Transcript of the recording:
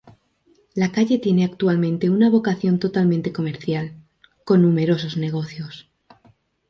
La calle tiene actualmente una vocación totalmente comercial, con numerosos negocios.